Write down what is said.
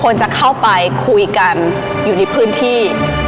ควรจะเข้าไปคุยกันอยู่ในพื้นที่